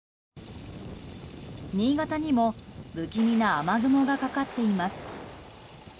新潟にも不気味な雨雲がかかっています。